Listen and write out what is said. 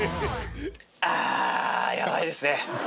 あー、やばいですね。